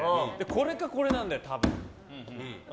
これかこれなんだよ、多分。